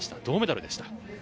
銅メダルでした。